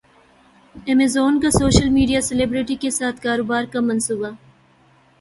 Amazon کا social media celebrity کے ساتھ کاروبار کا منصوبہ